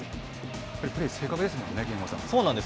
やっぱりプレーが正確ですもんね、憲剛さん。